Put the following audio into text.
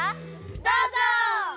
どうぞ！